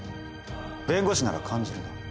弁護士なら感じるな。